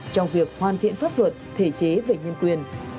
trong việc hoàn thiện pháp luật thể chế về nhân quyền